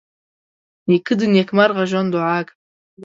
نیکه د نېکمرغه ژوند دعا کوي.